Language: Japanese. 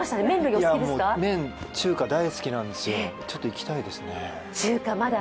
麺、中華、大好きなんですよ、ちょっと行きたいですね。